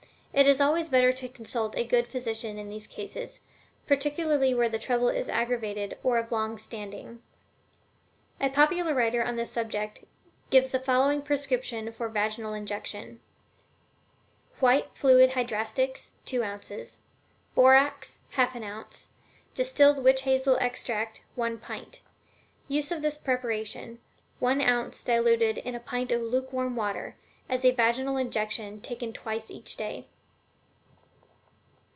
It is always better to consult a good physician in these cases, particularly where the trouble is aggravated or of long standing. A popular writer on the subject gives the following prescription for a vaginal injection: White Fluid Hydrastics, 2 ounces; Borax, 1/2 ounce; Distilled Witch Hazel Extract, 1 pint. Use of this preparation ONE OUNCE, DILUTED IN A PINT OF LUKEWARM WATER, as a vaginal injection, taken twice each day.